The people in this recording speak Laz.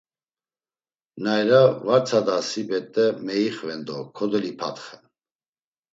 Nayla var tsadasi bet̆e meixven do kodolipatxen.